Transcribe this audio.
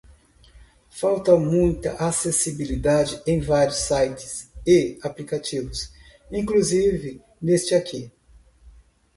Falta muita acessibilidade em vários sites e aplicativos, inclusive neste aqui.